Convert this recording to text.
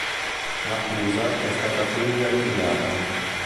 L'accusa è stata quindi archiviata.